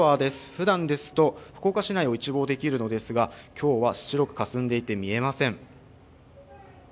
普段ですと福岡市内を一望できるのですが、今日は白くかすんでいて見えません。